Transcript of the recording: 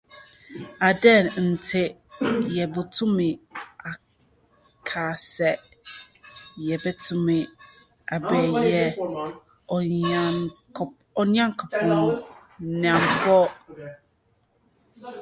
Adɛn nti na yebetumi aka sɛ yebetumi abɛyɛ Onyankopɔn nnamfo?